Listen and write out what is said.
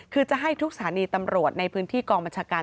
คือจะให้ทุกสถานีตำรวจในพื้นที่กองบัญชาการ